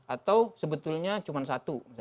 atau sebetulnya cuma satu